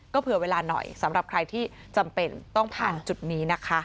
เผื่อเวลาหน่อยสำหรับใครที่จำเป็นต้องผ่านจุดนี้นะคะ